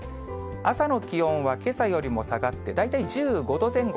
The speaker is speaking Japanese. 朝の気温はけさよりも下がって、大体、１５度前後。